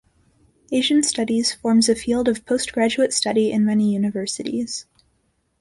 Asian studies forms a field of post-graduate study in many universities.